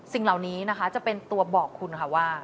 สิ่งเหล่านี้นะคะจะเป็นตัวบอกคุณค่ะว่า